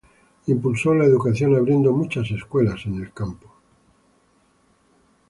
Impulsó la educación, abriendo muchas escuelas en el campo.